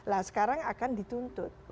lah sekarang akan dituntut